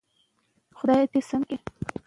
که موږ علم وساتو، ټولنه به د نوښت لامل سي.